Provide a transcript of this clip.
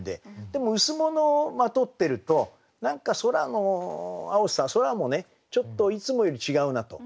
でも羅をまとってると何か空の青さ空もねちょっといつもより違うなと。